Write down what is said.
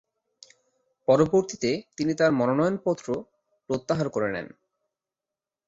পরবর্তীতে, তিনি তার মনোনয়নপত্র প্রত্যাহার করে নেন।